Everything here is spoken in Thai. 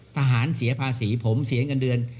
ทหารเสียภาษีผมเสียเงินเดือน